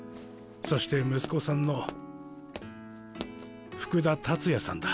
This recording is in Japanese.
そして息子さんの福田達也さんだ。